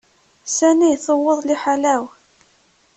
Sani tuweḍ liḥala-w.